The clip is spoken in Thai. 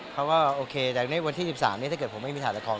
เขาก็โอเคแต่ในวันที่๑๓นี้ถ้าเกิดผมไม่มีถ่ายละคร